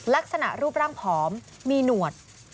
ลักษณะรูปร่างผอมมีหนวด